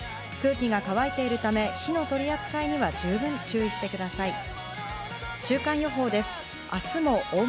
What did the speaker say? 空気が乾いているため、火の取扱いには十分注意してください。